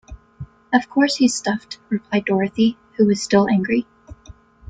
"Of course he's stuffed," replied Dorothy, who was still angry.